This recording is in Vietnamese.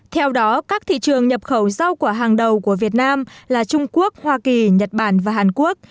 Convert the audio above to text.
theo đó các thị trường nhập khẩu rau quả hàng đầu của việt nam là trung quốc hoa kỳ nhật bản và hàn quốc